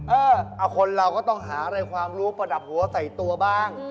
เออเอาคนเราก็ต้องหาอะไรความรู้ประดับหัวใส่ตัวบ้าง